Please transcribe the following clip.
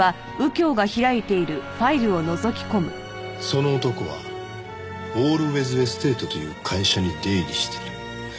「その男はオールウェイズ・エステートという会社に出入りしている」